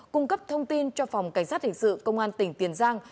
cung cấp thông tin cho phòng cảnh sát hình sự công an tỉnh tiền giang